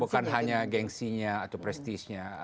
bukan hanya gengsinya atau prestisnya